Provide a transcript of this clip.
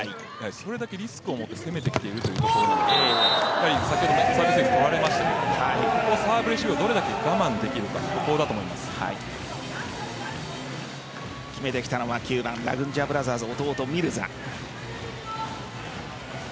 それだけリスクを持って攻めてきてるということなので先ほどサービスエース取られましたがサーブレシーブがどれだけ我慢できるかだと決めてきたのは９番、ラグンジヤブラザーズの弟ミルザ。